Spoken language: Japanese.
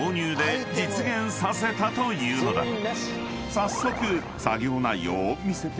［早速］